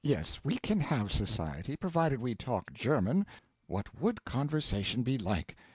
Yes, we can have society, provided we talk German. What would conversation be like!